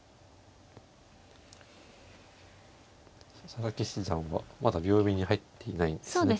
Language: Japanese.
佐々木七段はまだ秒読みに入っていないんですね。